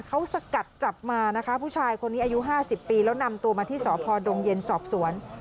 เขาสกัดจับมานะคะผู้ชายคนนี้อายุ๕๐ปีแล้วนำตัวมาที่สพดงเย็นสอบสวน